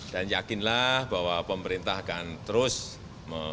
dan yakinlah bahwa pemerintah akan terus mencari